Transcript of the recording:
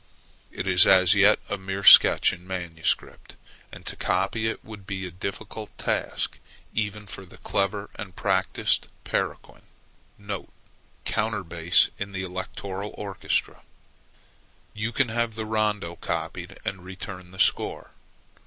It is as yet a mere sketch in manuscript, and to copy it would be a difficult task even for the clever and practised Paraquin [counter bass in the Electoral orchestra]. You can have the Rondo copied, and return the score.